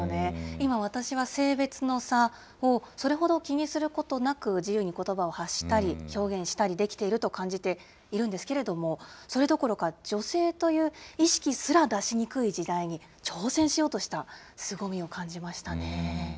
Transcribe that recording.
今、私は性別の差をそれほど気にすることなく、自由にことばを発したり、表現したりできていると感じているんですけれども、それどころか、女性という意識すら出しにくい時代に、挑戦しようとしたすごみを感じましたね。